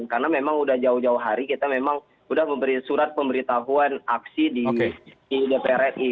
karena memang sudah jauh jauh hari kita memang sudah memberi surat pemberitahuan aksi di dpr ri